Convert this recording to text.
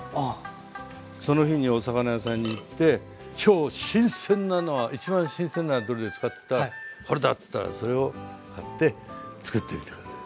その日にお魚屋さんに行って今日新鮮なのは一番新鮮なのはどれですかっつったらこれだっつったらそれを買ってつくってみて下さい。